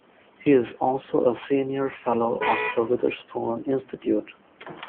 He is also a Senior Fellow of the Witherspoon Institute.